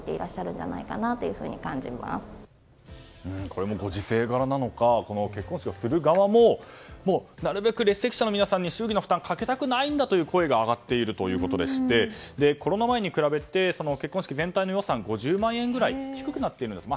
これもご時世柄なのか結婚式をする側もなるべく列席者の方に祝儀の負担をかけたくないんだという声が上がっているということでしてコロナ前に比べて結婚式全体の予算は５０万円ぐらい低くなっている。